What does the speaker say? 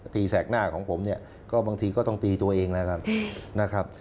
ตีแสกหน้าของผมเนี่ยบางทีก็ต้องตีตัวเองนะครับ